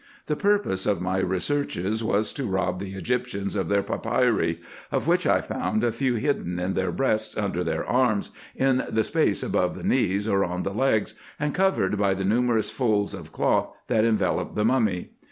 The purpose of my re searches was to rob the Egyptians of their papyri ; of which I 1 58 RESEARCHES AND OPERATIONS found a few hidden in their breasts, under their arms, in the space above the knees, or on the legs, and covered by the numerous folds of cloth, that envelop the mummy.